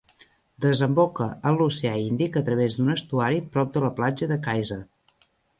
Desemboca en l'Oceà Índic a través d'un estuari prop de la platja de Kayser.